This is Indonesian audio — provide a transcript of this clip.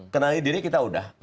kenali diri kita udah